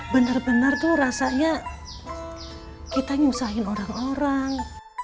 bener bener tuh rasanya kita nyusahin orang orang